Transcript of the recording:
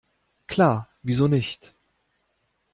Klar, wieso nicht?